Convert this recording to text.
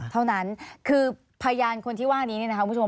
เท่านั้นคือพยานคนที่ว่านี้เนี่ยนะคะคุณผู้ชม